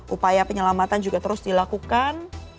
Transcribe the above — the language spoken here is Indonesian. upaya penyelamatan juga terus dilakukan